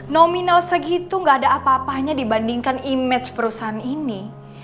nominal segitu gak ada apa apanya dibandingkan image perusahaan ini